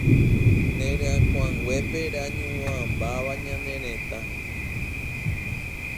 Ne ryakuãnguépe reañuãmbáva ñane retã